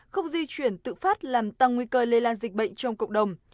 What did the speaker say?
không di chuyển tự phát làm tăng nguy cơ lây lan dịch bệnh trong cộng đồng